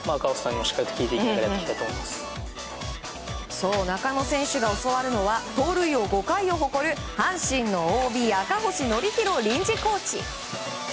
そう、中野選手が教わるのは盗塁王５回を誇る阪神ＯＢ、赤星憲広臨時コーチ。